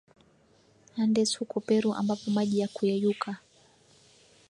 Andes huko Peru ambapo maji ya kuyeyuka